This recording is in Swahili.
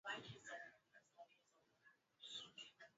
Jana tulikodisha pikipiki